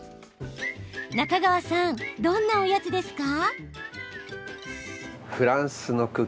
中川さんどんなおやつですか？